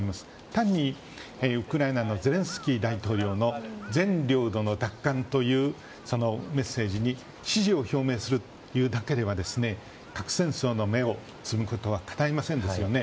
単にウクライナのゼレンスキー大統領の全領土の奪還というそのメッセージに支持を表明するというだけでは核戦争の芽を摘むことはかないませんですよね。